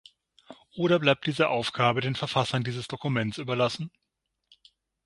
Oder bleibt diese Aufgabe den Verfassern dieses Dokuments überlassen?